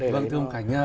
vâng thưa ông khánh